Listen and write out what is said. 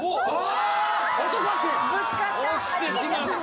ぶつかった！